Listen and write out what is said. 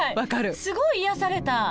すごい癒やされた。